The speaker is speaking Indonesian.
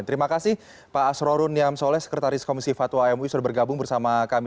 terima kasih pak asrorun yam soleh sekretaris komisi fatwa mui sudah bergabung bersama kami